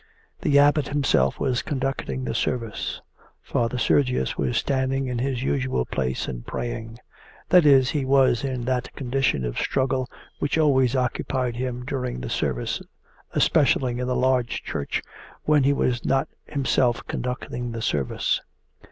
The Abbot himself was conducting the service. Father Sergius was standing in his usual place and praying: that is, he was in that condition of struggle which always occupied him during the service, especially in the large church when he was not himself conducting the service.